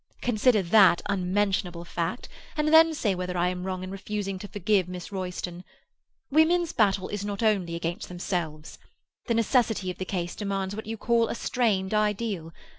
Consider that unmentionable fact, and then say whether I am wrong in refusing to forgive Miss Royston. Women's battle is not only against themselves. The necessity of the case demands what you call a strained ideal.